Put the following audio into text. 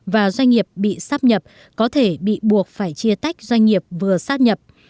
và doanh nghiệp bị sáp nhập có thể bị buộc phải chia tách doanh nghiệp vừa sáp nhập